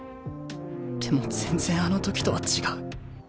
でも全然あの時とは違う。